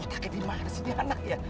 aduh takut dimana sini anak ya